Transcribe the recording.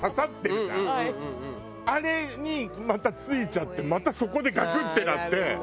あれにまたついちゃってまたそこでガクッてなって。